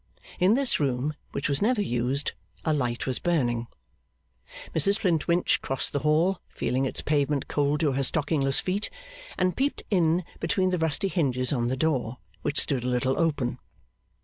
In this room, which was never used, a light was burning. Mrs Flintwinch crossed the hall, feeling its pavement cold to her stockingless feet, and peeped in between the rusty hinges on the door, which stood a little open.